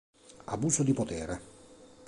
Abuso di potere